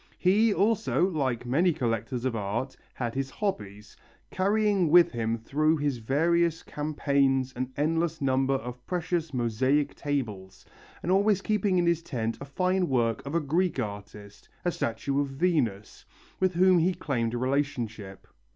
He also, like many collectors of art, had his hobbies, carrying with him through his various campaigns an endless number of precious mosaic tables, and always keeping in his tent a fine work of a Greek artist, a statue of Venus, with whom he claimed relationship.